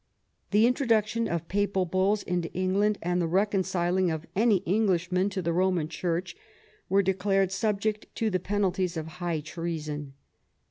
The introduc tion of Papal Bulls into England, and the reconciling of any Englishman to the Roman Church, were declared subject to the penalties of high treason.